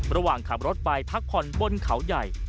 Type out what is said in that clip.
ระหว่างขับรถไปพักผ่อนบนเขาใหญ่